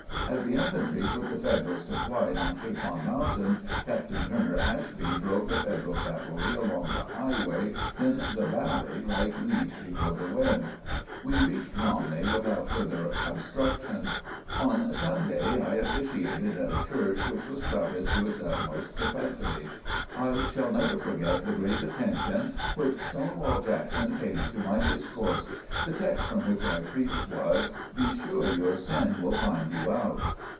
As the infantry put the Federals to flight on Capon Mountain, Captain Turner Ashby drove the Federal cavalry along the highway in the valley like leaves before the wind. We reached Romney without further obstruction. On Sunday I officiated in a church which was crowded to its utmost capacity. I shall never forget the grave attention which "Stonewall" Jackson paid to my discourse. The text from which I preached was: "Be sure your sin will find you out."